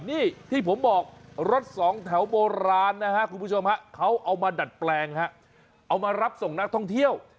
นี่ที่ผมบอกรถสองแถวโบราณนะฮะคุณผู้ชมฮะเขาเอามาดัดแปลงฮะเอามารับส่งนักท่องเที่ยว